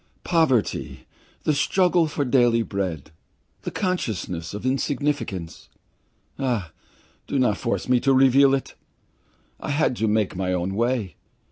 Poverty, the struggle for daily bread, the consciousness of insignificance ah, do not force me to recall it! I had to make my own way.